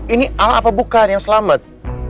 ini alam apa bukan yang selamat